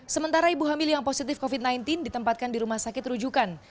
sementara ibu hamil yang positif covid sembilan belas ditempatkan di rumah sakit rujukan